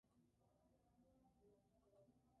Un año más tarde se añadió la variante de cinco puertas.